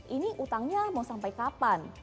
ini utangnya mau sampai kapan